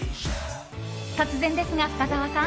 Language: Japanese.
突然ですが、深澤さん